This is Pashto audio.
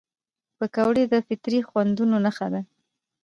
پکورې د فطري خوندونو نښه ده